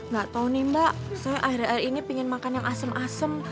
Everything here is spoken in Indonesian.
gak tau nih mbak saya akhir akhir ini pengen makan yang asem asem